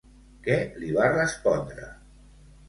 Què li va respondre?